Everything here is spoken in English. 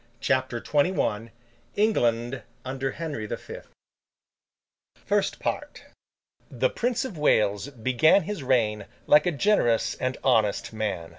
CHAPTER XXI ENGLAND UNDER HENRY THE FIFTH FIRST PART The Prince of Wales began his reign like a generous and honest man.